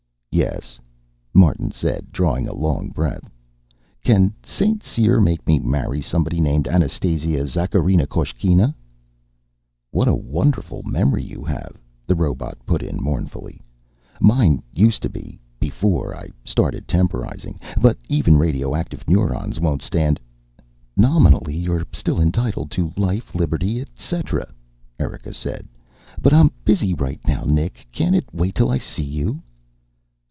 "Yes," Martin said, drawing a long breath. "Can St. Cyr make me marry somebody named Anastasia Zakharina Koshkina?" "What a wonderful memory you have," the robot put in mournfully. "Mine used to be, before I started temporalizing. But even radioactive neurons won't stand " "Nominally you're still entitled to life, liberty, et cetera," Erika said. "But I'm busy right now, Nick. Can't it wait till I see you?"